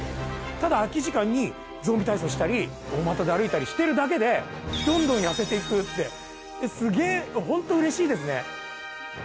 ただ空き時間にゾンビ体操したり大股で歩いたりしてるだけでどんどん痩せて行くってすげぇホントうれしいですね。